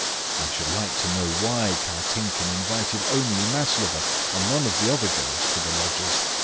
"I should like to know why Kartinkin invited only Maslova, and none of the other girls, for the lodgers?"